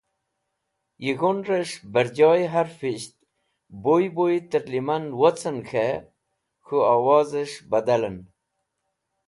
Yig̃hunrẽs̃h bẽrjoy harfisht buy buy tẽrleman wocẽn k̃hẽ k̃hũ wozẽs̃h badalẽn